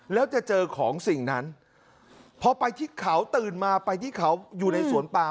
แล้วจะเจอของสิ่งนั้นพอไปที่เขาตื่นมาไปที่เขาอยู่ในสวนปาม